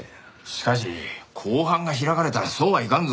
しかし公判が開かれたらそうはいかんぞ。